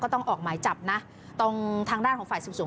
ก็ต้องออกหมายจับนะตรงทางร่านของฝ่ายศูนย์สูง